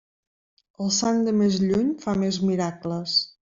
El sant de més lluny fa més miracles.